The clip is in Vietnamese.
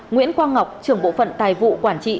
nguyễn quang ngọc trưởng bộ phận tài vụ quản trị